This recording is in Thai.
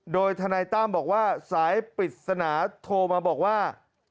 โดยทนายตั้มบอกว่าสายปริศนาโทรมาบอกว่า